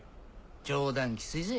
冗談きついぜ。